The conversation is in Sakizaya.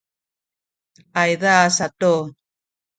ayza satu